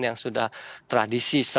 yang sudah tradisi